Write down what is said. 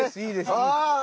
いいですかね。